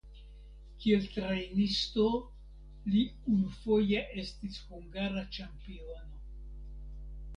Kiel trejnisto li unufoje estis hungara ĉampiono.